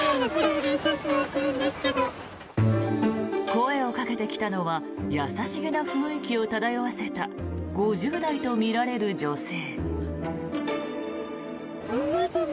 声をかけてきたのは優しげな雰囲気を漂わせた５０代とみられる女性。